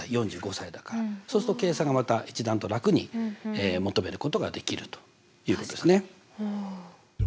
そうすると計算がまた一段と楽に求めることができるということですね。